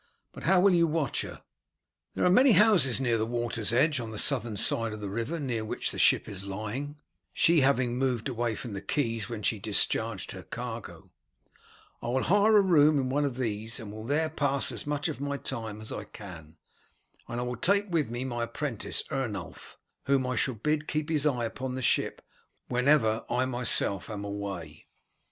But how will you watch her?" "There are many houses near the water's edge, on the southern side of the river near which the ship is lying, she having moved away from the quays when she discharged her cargo. I will hire a room in one of these, and will there pass as much of my time as I can; and I will take with me my apprentice Ernulf, whom I shall bid keep his eye upon the ship whenever I myself am away.